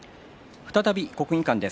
再び、国技館です。